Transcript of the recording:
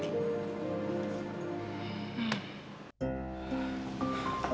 jadi aku mau berhenti